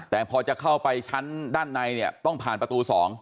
แต่พอจะเข้าไปชั้นด้านในเนี่ยต้องผ่านประตู๒